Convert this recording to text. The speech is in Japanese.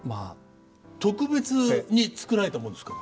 特別に作られたものですか？